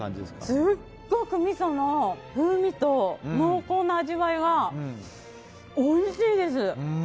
すっごくみその風味と濃厚な味わいがおいしいです！